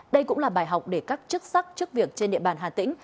đây cũng là bài học để các chức sắc chức việc trên địa bàn hà tĩnh